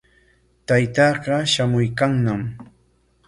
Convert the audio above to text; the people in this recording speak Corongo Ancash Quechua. Taytanqa shamuykanñam.